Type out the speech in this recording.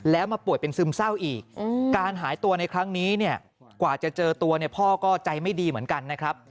แล้วมาป่วยเป็นซึมเศร้าอีกการหายตัวในครั้งนี้เนี่ยกว่าจะเจอตัวเนี่ยพ่อก็ใจไม่ดีเหมือนกันนะครับ